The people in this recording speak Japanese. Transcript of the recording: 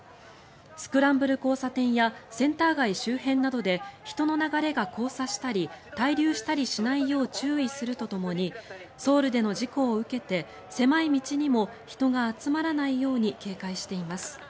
スクランブル交差点やセンター街周辺などで人の流れが交差したり滞留したりしないよう注意するとともにソウルでの事故を受けて狭い道にも人が集まらないように警戒しています。